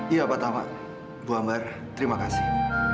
iya pak tama ibu ambar terima kasih